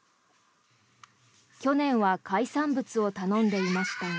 去年は海産物を頼んでいましたが。